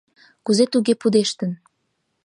— Кузе туге пудештын?